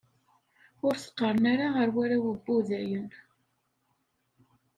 Ur t-qeṛṛen ara ar warraw n wudayen.